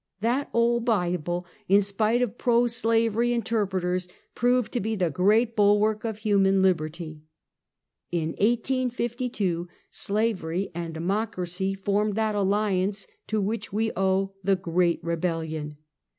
That old Bible, in spite of pro slavery interpreters, proved to be the great bulwark of human liberty. In 1852, Slavery and Democracy formed that alli ance to which we owe the Great Eebellion.